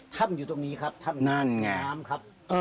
ท่ำอยู่ที่นี้ครับนั้นไง